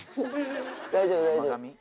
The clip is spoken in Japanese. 大丈夫大丈夫。